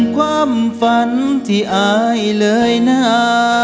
คำฝันที่อ้ายเลยน่า